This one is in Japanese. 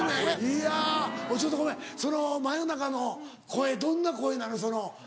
いやおいちょっとごめんその「真夜中」の声どんな声なの？